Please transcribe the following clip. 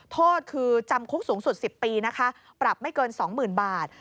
โทษคือจำคุกสูงสุด๑๐ปีนะคะปรับไม่เกิน๒๐๐๐บาท